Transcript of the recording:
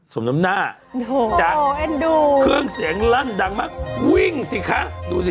สมดำหน้าจากเครื่องเสียงรั่นดังมากวิ่งสิคะดูสิ